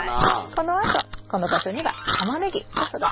このあとこの場所にはタマネギを育てます。